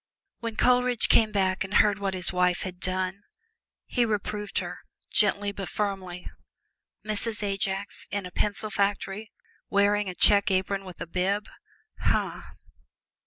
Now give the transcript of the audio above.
When Coleridge came back and heard what his wife had done, he reproved her gently but firmly. Mrs. Ajax in a pencil factory wearing a check apron with a bib! huh!!